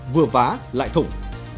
vừa vá lại thủng